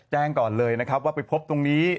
แจ้งก่อนเลยนะครับว่าไปพบตรงนี้